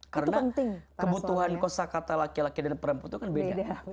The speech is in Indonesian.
karena kebutuhan kosa kata laki laki dan perempuan itu kan beda